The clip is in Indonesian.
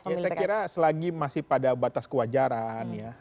ya saya kira selagi masih pada batas kewajaran ya